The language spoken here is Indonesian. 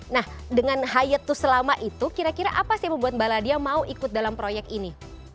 nah dengan hayat to selama itu kira kira apa sih yang membuat mbak ladia mau ikut dalam proyek ini